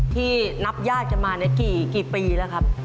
ที่นับญาติกันมากี่ปีแล้วครับ